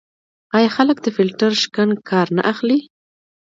آیا خلک له فیلټر شکن کار نه اخلي؟